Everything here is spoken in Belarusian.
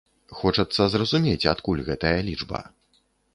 Хочацца зразумець, адкуль гэтая лічба.